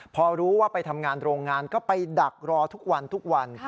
พอรู้ว่าไปทำงานโรงงานก็ไปดักรอทุกวันทุกวัน